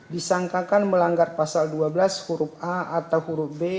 disangkakan melanggar pasal dua belas huruf a atau huruf b